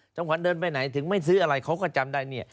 ขวัญเดินไปไหนถึงไม่ซื้ออะไรเขาก็จำได้เนี่ย